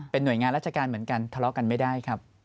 หน่วยงานราชการเหมือนกันทะเลาะกันไม่ได้ครับ